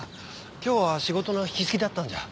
今日は仕事の引き継ぎだったんじゃ。